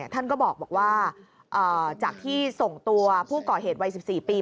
ท่านก็บอกว่าจากที่ส่งตัวผู้ก่อเหตุวัย๑๔ปี